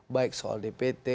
baik soal dpt